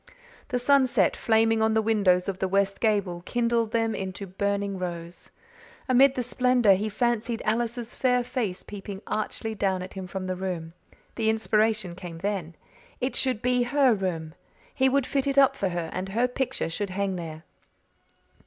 The sunset, flaming on the windows of the west gable, kindled them into burning rose. Amid the splendour he fancied Alice's fair face peeping archly down at him from the room. The inspiration came then. It should be her room; he would fit it up for her; and her picture should hang there.